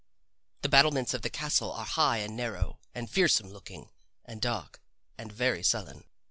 The battlements of the castle are high and narrow and fearsome looking and dark and very sullen.